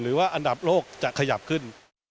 หรือว่าอันดับโลกจะขยับขึ้น